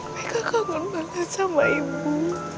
mereka kangen banget sama ibu